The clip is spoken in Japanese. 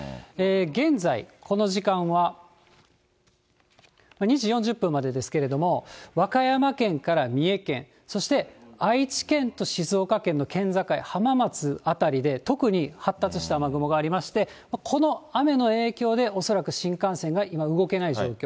現在、この時間は２時４０分までですけれども、和歌山県から三重県、そして愛知県と静岡県の県境、浜松辺りで、とくに発達した雨雲がありまして、この雨の影響で、恐らく新幹線が今、動けない状況。